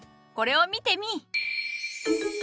これを見てみぃ。